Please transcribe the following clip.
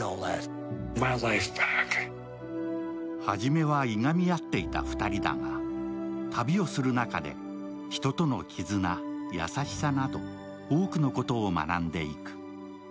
初めは、いがみ合っていた２人だが旅をする中で人との絆、優しさなど多くのことを学んでいく。